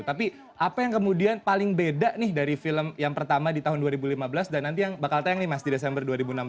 tapi apa yang kemudian paling beda nih dari film yang pertama di tahun dua ribu lima belas dan nanti yang bakal tayang nih mas di desember dua ribu enam belas